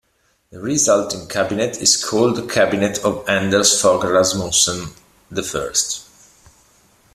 The resulting cabinet is called the Cabinet of Anders Fogh Rasmussen the First.